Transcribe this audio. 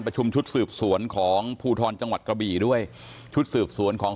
ชุดสืบสวนของภูทรจังหวัดกระบี่ด้วยชุดสืบสวนของ